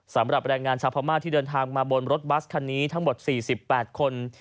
สำหรับแรงงานชาวพม่าที่เดินทางมาบนรถบัสคันนี้ทั้งหมด๔๘คน